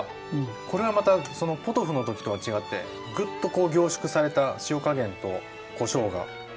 これはまたそのポトフの時とは違ってグッとこう凝縮された塩加減とこしょうが利いてて。